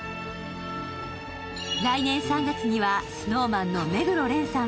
来年３月にはＳｎｏｗＭａｎの目黒蓮さん